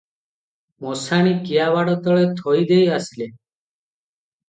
ମଶାଣି କିଆବାଡ଼ ତଳେ ଥୋଇ ଦେଇ ଆସିଲେ ।